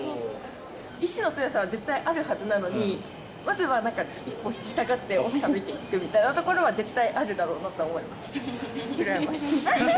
意志の強さは絶対あるはずなのに、まずは一歩引き下がって、奥さんの意見聞くみたいなところは絶対あるだろうなと思います。